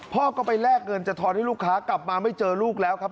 พ่อก็ไปแลกเงินจะทอนให้ลูกค้ากลับมาไม่เจอลูกแล้วครับ